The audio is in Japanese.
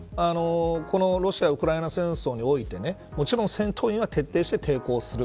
このロシア・ウクライナ戦争においてもちろん戦闘員は徹底して抵抗する。